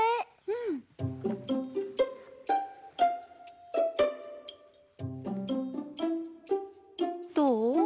うん。どう？